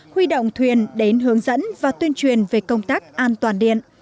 huy động thuyền đến hướng dẫn và tuyên truyền về công tác an toàn điện